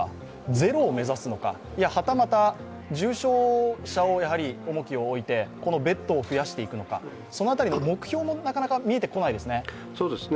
ゼロを目指すのか、はたまた重症者をやはり重きを置いて、ベッドを増やしていくのか、その辺りの目標もなかなか見えてこないですね？